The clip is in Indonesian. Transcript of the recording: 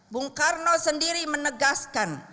bung karno sendiri menegaskan